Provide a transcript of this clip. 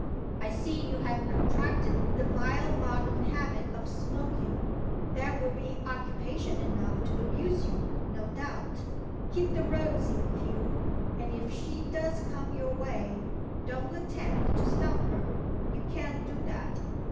I see you have contracted the vile modern habit of smoking that will be occupation enough to amuse you, no doubt! Keep the roads in view; and, if she does come your way, don't attempt to stop her you can't do that.